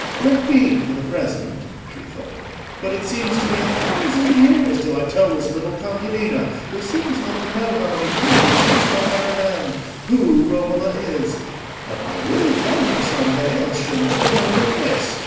"Let be, for the present," she thought; "but it seems to me a thousand years till I tell this little contadina, who seems not to know how many fingers she's got on her hand, who Romola is. And I will tell her some day, else she'll never know her place.